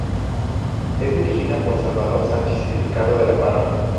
Es dirigida por Salvador Sánchez y Ricardo de la Parra.